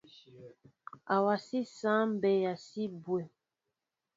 Awasí sááŋ bɛa si bwéém.